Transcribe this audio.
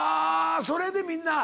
それでみんな。